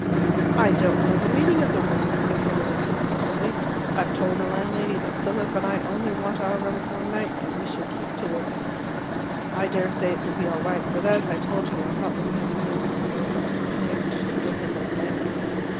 "I don't know the meaning of the word," said Harriet impressively. "I've told the landlady that Philip and I only want our rooms one night, and we shall keep to it." "I dare say it will be all right. But, as I told you, I thought the man I met on the Rocca a strange, difficult man."